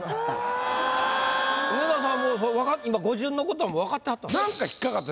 梅沢さんはもう今語順のことも分かってはったんですか？